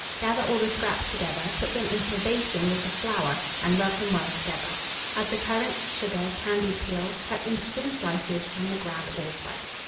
Gather all the scraps together, put them into a basin with the flour, and rub them well together. Add the currants, sugar, candied peel, cut into thin slices, and the ground allspice.